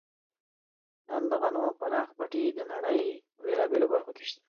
نن د غنمو پراخ پټي د نړۍ په بېلابېلو برخو کې شته.